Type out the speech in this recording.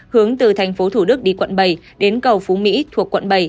hướng từ tp thủ đức đi quận bảy đến cầu phú mỹ thuộc quận bảy